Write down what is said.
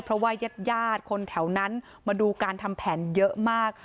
เพราะว่ายาดคนแถวนั้นมาดูการทำแผนเยอะมาก